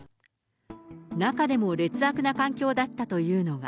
中でも劣悪な環境だったというのが。